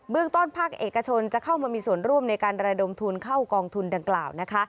เรื่องต้นภาคเอกชนจะเข้ามามีส่วนร่วมในการระดมทุนเข้ากองทุนดังกล่าวนะคะ